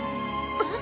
えっ？